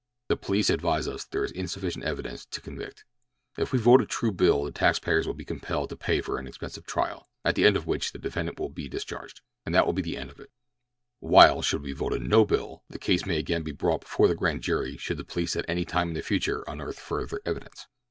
The police advise us that there is insufficient evidence to convict. "If we vote a true bill the taxpayers will be compelled to pay for an expensive trial, at the end of which the defendant will be discharged, and that will be the end of it; while should we vote a no bill the case may again be brought before the grand jury should the police at any time in the future unearth further evidence.